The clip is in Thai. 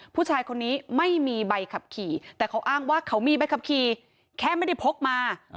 ผู้ชายคนนี้ไม่มีใบขับขี่แต่เขาอ้างว่าเขามีใบขับขี่แค่ไม่ได้พกมา